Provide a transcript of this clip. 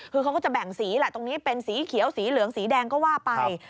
คือเขาก็จะแบ่งสีแหละตรงนี้เป็นสีเขียวสีเหลืองสีแดงก็ว่าไป